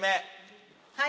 はい！